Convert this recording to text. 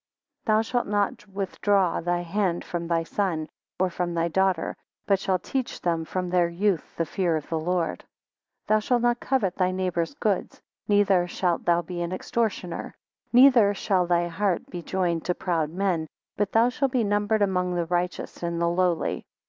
12 Thou shalt not withdraw thy hand from thy son, or from thy daughter; but shall teach them from their youth the fear of the Lord. 13 Thou shalt not covet thy neighbour's goods; neither shalt thou be an extortioner. Neither shall thy heart be joined to proud men; but thou shalt be numbered among the righteous and the lowly.